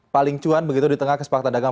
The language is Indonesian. paling cuan begitu di tengah kesepakatan dagang